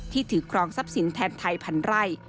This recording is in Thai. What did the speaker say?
ถือครองทรัพย์สินแทนไทยพันไร่